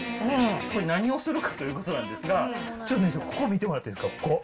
これ、何をするかということなんですが、ちょっと姉さん、ここ見てもらっていいですか、ここ。